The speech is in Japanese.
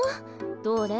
どれ。